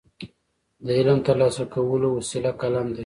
د علم ترلاسه کولو وسیله قلم دی.